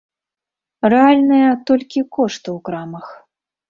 Рэальныя толькі кошты ў крамах.